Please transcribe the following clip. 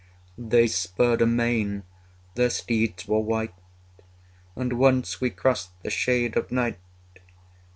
They spurred amain, their steeds were white: And once we crossed the shade of night.